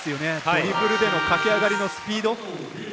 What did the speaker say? ドリブルの駆け上がりのスピード。